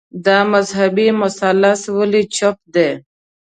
دا مذهبي مثلث ولي چوپ دی